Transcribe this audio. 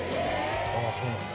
ああそうなんだ。